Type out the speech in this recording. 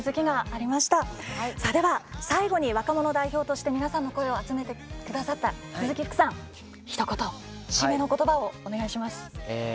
では、最後に若者代表として皆さんの声を集めてくださった鈴木福さん、ひと言、締めのことばをお願いします。